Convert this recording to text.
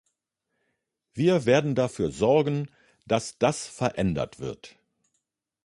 Wir werden dafür sorgen, dass das verändert wird.